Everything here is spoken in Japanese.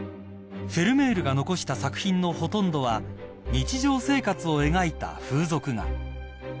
［フェルメールが残した作品のほとんどは日常生活を描いた風俗画］